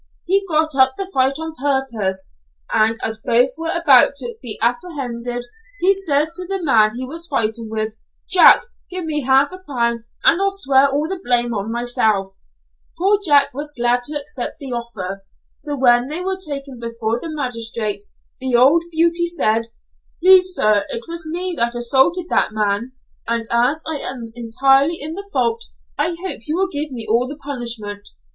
He got up the fight on purpose, and as both were about to be apprehended, he says to the man he was fighting with, 'Jack, give me half a crown and I'll swear all the blame on myself;' poor Jack was glad to accept the offer, so when they were taken before the magistrate the old beauty said 'Please sir, it was me that assaulted that man, and as I am entirely in the fault I hope you will give me all the punishment.'